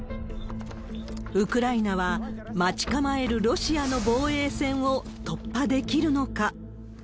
ウクライナは、待ち構えるロシアの防衛戦を突破できるのか。